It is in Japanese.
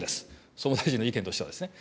総務大臣の意見としてはですね。